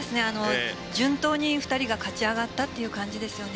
順当に２人が勝ち上がったという感じですよね。